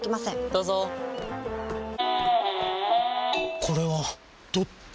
どうぞこれはどっち？